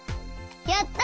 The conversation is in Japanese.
やった！